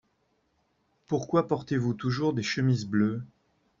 Pourquoi portez-vous toujours des chemises bleues ?